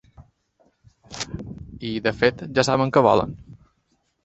I de fet ja saben què volen?